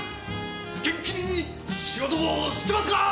元気に仕事をしてますかー！！